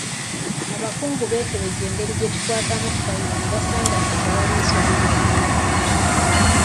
Abakugu beekebejja engeri gyetukwatamu ffayiro ne basanga nga tewali nsobi yonna.